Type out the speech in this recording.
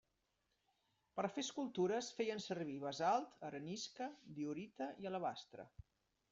Per a fer escultures feien servir basalt, arenisca, diorita i alabastre.